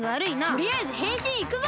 とりあえずへんしんいくぞ！